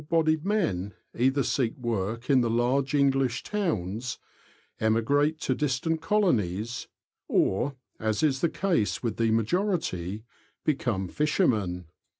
243 able bodied men either seek work in the large English towns, emigrate to distant colonies, or, as is the case with the majority, become fishermen.